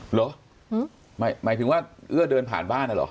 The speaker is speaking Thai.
เหรอหมายถึงว่าเอื้อเดินผ่านบ้านอ่ะเหรอ